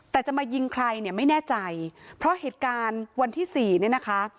แต่จะมายิงใครเนี่ยไม่แน่ใจเพราะเหตุการณ์วันที่สี่เนี่ยนะคะ